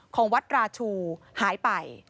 ของวัดราชูหายไป